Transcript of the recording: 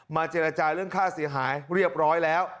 เจรจาเรื่องค่าเสียหายเรียบร้อยแล้ว